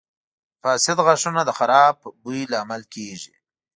• فاسد غاښونه د خراب بوی لامل کیږي.